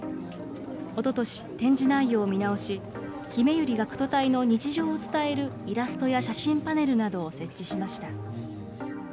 おととし、展示内容を見直し、ひめゆり学徒隊の日常を伝えるイラストや写真パネルなどを設置しました。